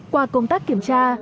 qua công tác kiểm tra